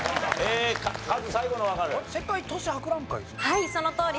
はいそのとおり。